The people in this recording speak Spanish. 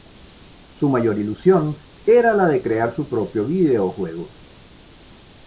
Su mayor ilusión era la de crear su propio videojuego.